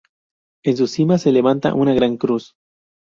En su cima se levanta una gran cruz.